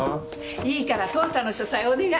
いいから父さんの書斎お願い。